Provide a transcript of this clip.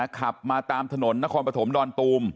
ขับมาตามถนนนครปฐมดอนตูม